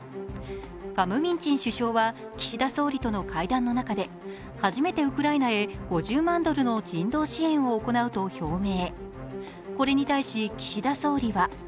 ファム・ミン・チン首相は岸田総理との会談の中で初めてウクライナへ５０万ドルの人道支援を行うと表明。